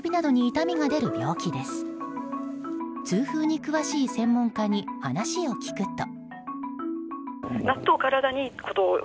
痛風に詳しい専門家に話を聞くと。